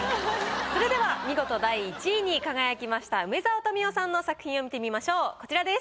それでは見事第１位に輝きました梅沢富美男さんの作品を見てみましょうこちらです。